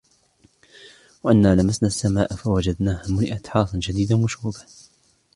وأنا لمسنا السماء فوجدناها ملئت حرسا شديدا وشهبا